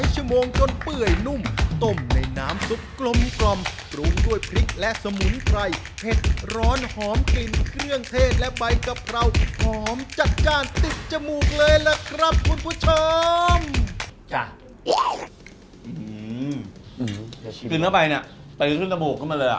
กินเข้าไปนี่ตีขึ้นสมบูรณ์ขึ้นมาเลยอ่ะ